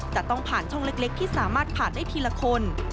จะต้องผ่านช่องเล็กที่สามารถผ่านได้ทีละคน